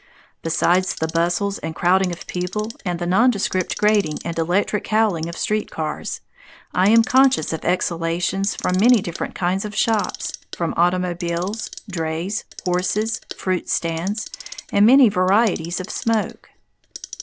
Besides the bustle and crowding of people and the nondescript grating and electric howling of street cars, I am conscious of exhalations from many different kinds of shops; from automobiles, drays, horses, fruit stands, and many varieties of smoke.